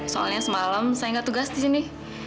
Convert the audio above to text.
soalnya semalam saya gak tugas disini